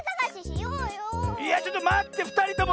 いやちょっとまってふたりとも！